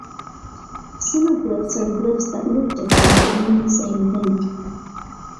Synoglyphs are glyphs that look different but mean the same thing.